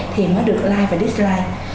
thì mới được like và dislike